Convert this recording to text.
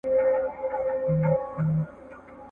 د روغتیا لپاره په کافي اندازه خوب ښه دئ.